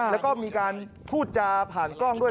แล้วก็มีการพูดจาผ่านกล้องด้วย